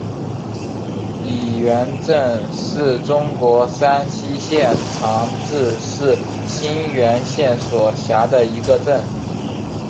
李元镇是中国山西省长治市沁源县所辖的一个镇。